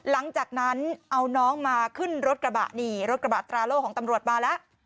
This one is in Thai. ล้างจากนั้นเอาน้องมาขึ้นรถกระบะตราโลของตำรวจมาแล้ว